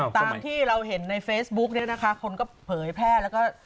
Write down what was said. ตามที่เราเห็นในเฟซบุ๊กเนี่ยนะคะคนก็เผยแพร่แล้วก็